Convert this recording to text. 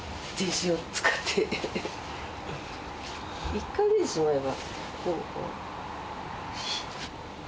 １回出てしまえば。